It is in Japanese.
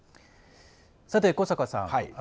さて、古坂さん。